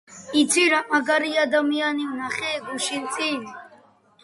ვან გოგი სოციალისტი იყო, რომელსაც სჯეროდა, რომ თანამედროვე ცხოვრება, თავისი მუდმივი სოციალური ცვლილებებით